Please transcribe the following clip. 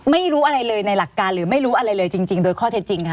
ไม่รู้อะไรเลยในหลักการหรือไม่รู้อะไรเลยจริงโดยข้อเท็จจริงค่ะ